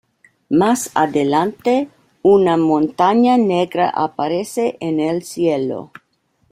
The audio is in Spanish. Más adelante, una montaña negra aparece en el cielo.